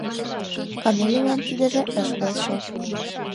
Комелинлан тидыже ыш келше.